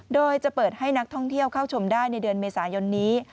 โดยจะเปิดให้นักท่องเที่ยวเข้าชมได้ในเดือนเมษายนนี้